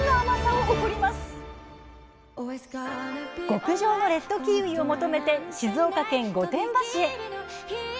極上のレッドキウイを求めて静岡県御殿場市へ！